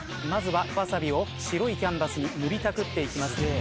まずはワサビを白いキャンバスに塗りたくっていきます。